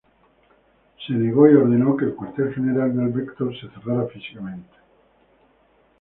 Se negó y ordenó que el cuartel general del Vector se cerrara físicamente.